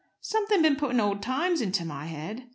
"Something been putting old times into my head?